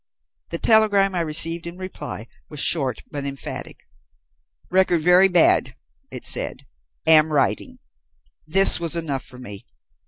The telegram I received in reply was short but emphatic. 'Record very bad,' it said, 'am writing,' This was enough for me.